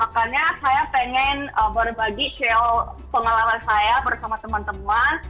makanya saya pengen berbagi shawl pengalaman saya bersama teman teman